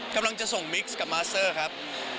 กำลังจะส่งมิกซ์กับมาเซอร์ครับ